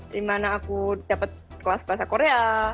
di mana aku dapat kelas bahasa korea